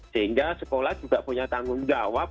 sehingga sekolah juga punya tanggung jawab